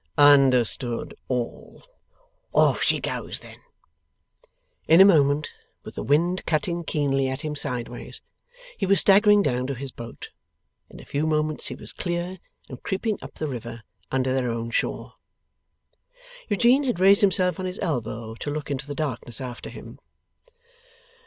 Understood all. 'Off she goes then!' In a moment, with the wind cutting keenly at him sideways, he was staggering down to his boat; in a few moments he was clear, and creeping up the river under their own shore. Eugene had raised himself on his elbow to look into the darkness after him.